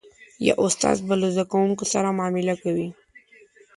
یو استاد به له زده کوونکو سره معامله کوي.